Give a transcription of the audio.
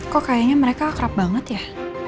kok kayaknya mereka akrab banget ya